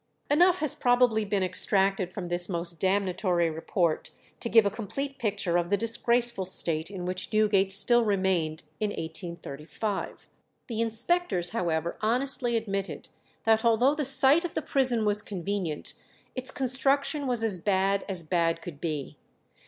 Enough has probably been extracted from this most damnatory report to give a complete picture of the disgraceful state in which Newgate still remained in 1835. The inspectors, however, honestly admitted that although the site of the prison was convenient, its construction was as bad as bad could be.